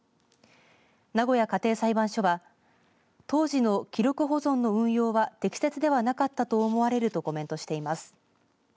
名古屋家庭裁判所は当時の記録保存の運用は適切ではなかったと思われるとコメントしています。